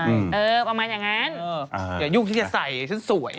เอออย่ายุ่งที่จะใส่ฉันสวย